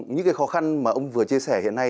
những cái khó khăn mà ông vừa chia sẻ hiện nay